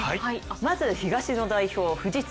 まず東の代表、富士通。